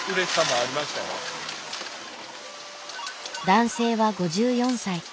男性は５４歳。